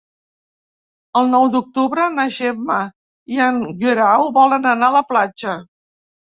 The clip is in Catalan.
El nou d'octubre na Gemma i en Guerau volen anar a la platja.